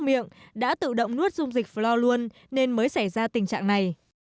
miệng đã tự động nuốt dung dịch floor luôn nên mới xảy ra tình trạng này